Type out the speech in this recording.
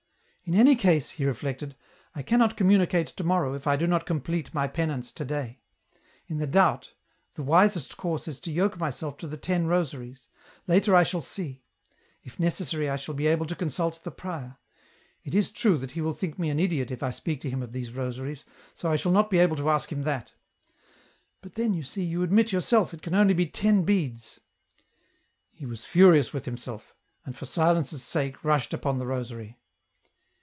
" In any case," he reflected, " I cannot communicate to morrow if I do not complete my penance to day ; in the doubt, the wisest course is to yoke myself to the ten rosaries ; later I shall see ; if necessary I shall be able to consult the prior. It is true that he will think me an idiot if I speak to him of these rosaries ! so I shall not be able to ask him that !"" But then, you see, you admit yourself, it can only be ten beads !" He was furious with himself, and for silence' sake rushed upon the rosary.